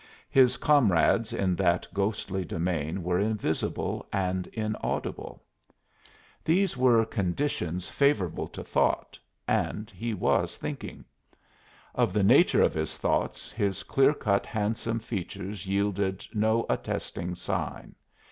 His comrades in that ghostly domain were invisible and inaudible. These were conditions favorable to thought, and he was thinking. Of the nature of his thoughts his clear cut handsome features yielded no attesting sign.